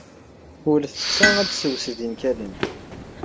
Wel tetta ad tseswed inkalen.